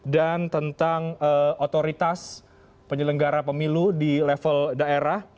dan tentang otoritas penyelenggara pemilu di level daerah